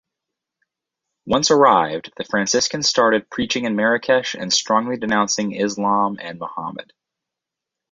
Once arrived, the Franciscans started preaching in Marrakesh and strongly denouncing Islam and Muhammad.